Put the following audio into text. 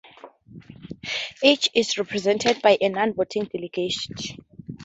Each is represented by a non-voting delegate.